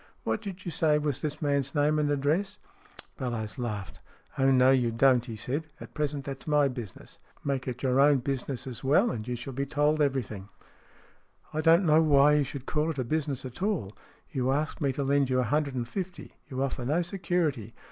"What did you say was this man's name and address ?" Bellowes laughed. " Oh, no, you don't," he said. "At present that's my business. Make it your 16 STORIES IN GREY own business as well and you shall be told every thing." " I don't know why you should call it business at all. You ask me to lend you a hundred and fifty. You offer no security.